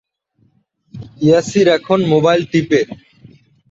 তার মা তার যত্ন করেছেন, কিন্তু তার বাবা তাকে অস্বীকার করেছিলেন।